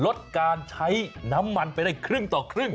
ลดการใช้น้ำมันไปได้ครึ่งต่อครึ่ง